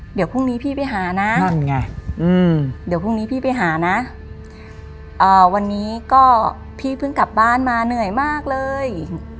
เดี๋ยวพรุ่งนี้พี่ไปหานะนั่นไงเดี๋ยวพรุ่งนี้พี่ไปหานะวันนี้ก็พี่เพิ่งกลับบ้านมาเหนื่อยมากเลย